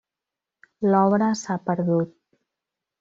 L'obra s'ha perdut.